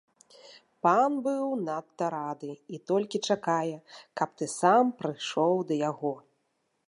Пан быў надта рады і толькі чакае, каб ты сам прыйшоў да яго.